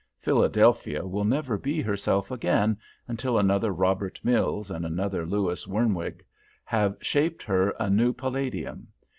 Philadelphia will never be herself again until another Robert Mills and another Lewis Wernwag have shaped her a new palladium.